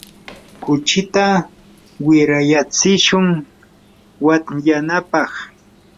kuchita wirayatsishun watyanapaq.